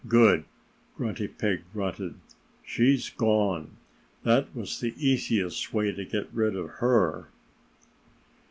"Good!" Grunty Pig grunted. "She's gone. This was the easiest way to get rid of her."